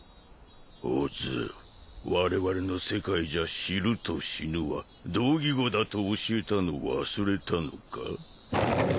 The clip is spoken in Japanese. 小津我々の世界じゃ知ると死ぬは同義語だと教えたの忘れたのか？